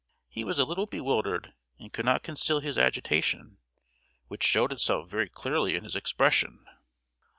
He was a little bewildered, and could not conceal his agitation, which showed itself very clearly in his expression.